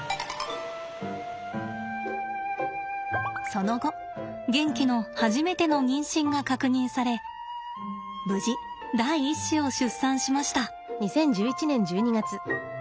その後ゲンキの初めての妊娠が確認され無事第一子を出産しました。